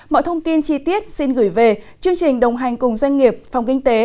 mọi thông tin chi tiết xin gửi về chương trình đồng hành cùng doanh nghiệp phòng kinh tế